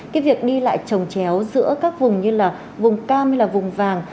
cái việc đi lại trồng chéo giữa các vùng như là vùng cam hay là vùng vàng